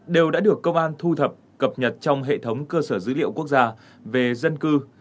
đều đã được công an thu thập cập nhật trong hệ thống cơ sở dữ liệu quốc gia về dân cư